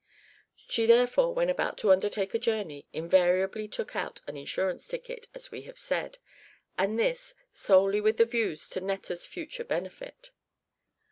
She therefore, when about to undertake a journey, invariably took out an insurance ticket, as we have said, and this, solely with a views to Netta's future benefit.